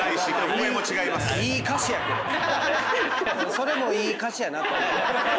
それもいい歌詞やなと。